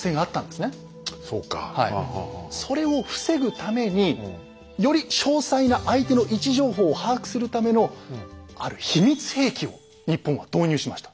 それを防ぐためにより詳細な相手の位置情報を把握するためのある秘密兵器を日本は導入しました。